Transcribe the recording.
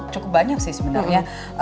cukup banyak sih sebenarnya